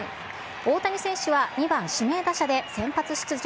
大谷選手は２番指名打者で先発出場。